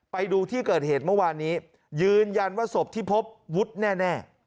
ไปดูที่เกิดเหตุเมื่อวานนี้ยืนยันว่าศพที่พบวุฒิแน่